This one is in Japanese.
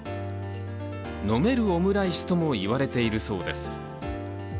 飲めるオムライスともいわれているそうです。